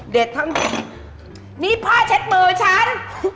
ทั้งหมดนี่ผ้าเช็ดมือฉัน